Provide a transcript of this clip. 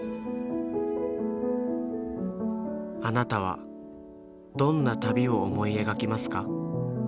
あなたはどんな「旅」を思い描きますか？